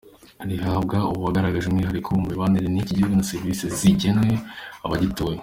Rihabwa uwagaragaje umwihariko mu mibanire n’iki gihugu na serivisi zigenewe abagituye.